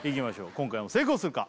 今回も成功するか？